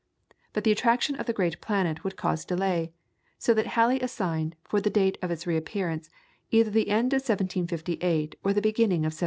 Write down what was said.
But the attraction of the great planet would cause delay, so that Halley assigned, for the date of its re appearance, either the end of 1758 or the beginning of 1759.